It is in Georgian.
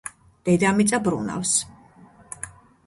დედამიწა ბრუნავს!